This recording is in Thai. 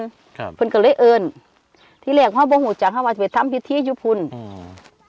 ครับเพื่อนก็เลยเอิญที่แรกพ่อโบหูจังเขาว่าจะไปทำพิธียุพุนอืม